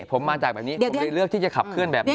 ผมมาจากแบบนี้ผมเลยเลือกที่จะขับเคลื่อนแบบนี้